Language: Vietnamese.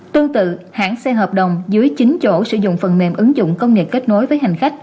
tương tự hãng xe hợp đồng dưới chín chỗ sử dụng phần mềm ứng dụng công nghệ kết nối với hành khách